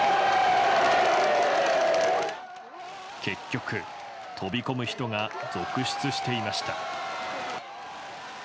結局、飛び込む人が続出していました。